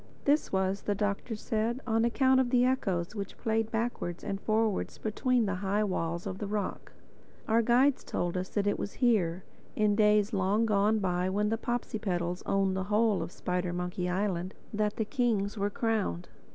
This was, the Doctor said, on account of the echoes which played backwards and forwards between the high walls of rock. Our guides told us that it was here, in days long gone by when the Popsipetels owned the whole of Spidermonkey Island, that the kings were crowned.